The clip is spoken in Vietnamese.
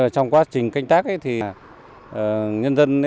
trong quá trình canh tác thì nhân dân